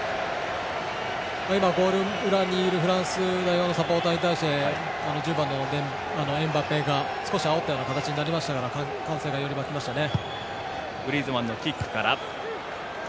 今、ゴール裏にいるフランス代表のサポーターに対し１０番のエムバペが少しあおったような形になりましたから歓声がより沸きましたね。